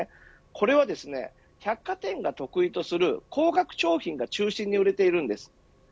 これは百貨店が得意とする高額商品が中心に売れているんです。